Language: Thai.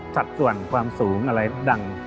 สัดส่วนความสูงอะไรดัง